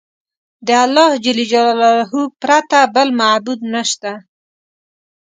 د الله پرته بل معبود نشته.